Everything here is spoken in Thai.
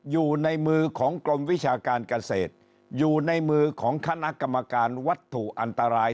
อยู่ในมือของกรมวิชาการเกษตรอยู่ในมือของคณะกรรมการวัตถุอันตราย